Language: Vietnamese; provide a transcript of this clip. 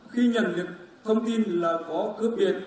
khi nhận được thông tin là có cướp biển